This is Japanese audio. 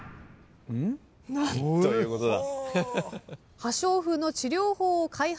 なんということだ。